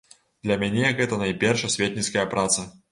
Для мяне гэта найперш асветніцкая праца.